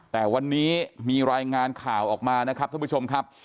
แต่วันนี้มีรายงานข่าวออกมานะครับท่านผู้ชมครับ